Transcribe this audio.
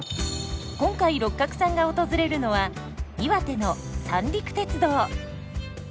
今回六角さんが訪れるのは岩手の三陸鉄道。